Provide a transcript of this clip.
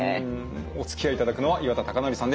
おつきあいいただくのは岩田隆紀さんです。